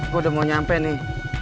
gue udah mau nyampe nih